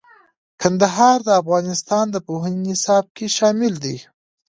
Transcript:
کندهار د افغانستان د پوهنې نصاب کې شامل دي.